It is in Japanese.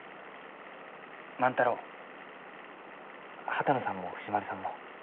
万太郎波多野さんも藤丸さんも。